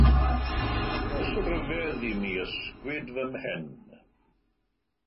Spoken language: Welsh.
Does ryfedd imi ysgwyd fy mhen!